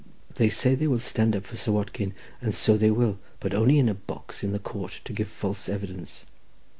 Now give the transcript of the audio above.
They say they will stand up for Sir Watkin, and so they will, but only in a box in the Court to give false evidence.